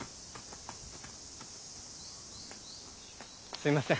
すいません